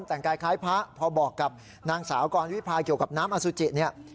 แต่งกายคล้ายพระพอบอกกับนางสาวกรวิพาเกี่ยวกับน้ำอสุจิเนี่ย